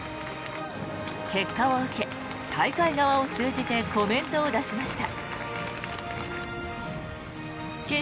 結果を受け、大会側を通じてコメントを出しました。